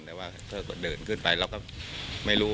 แต่ว่าเขาก็เดินขึ้นไปแล้วก็ไม่รู้